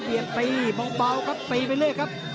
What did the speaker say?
เบียดตีบ่าวก็ตีไปเลยครับ